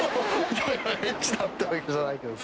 いやいや、エッチだってわけじゃないけどさ。